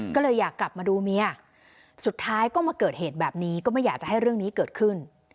ก็เลยอยากกลับมาดูเมียสุดท้ายก็มาเกิดเหตุแบบนี้ก็ไม่อยากจะให้เรื่องนี้เกิดขึ้น